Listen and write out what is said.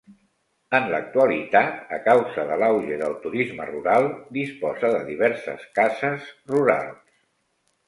En l'actualitat, a causa de l'auge del turisme rural, disposa de diverses cases rurals.